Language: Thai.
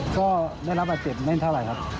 ก็ได้รับบาดเจ็บไม่เท่าไหร่ครับ